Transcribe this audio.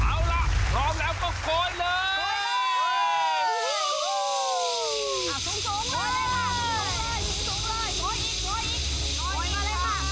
ผู้โชคดีใครจะเป็นใครจากจังหวัดไหน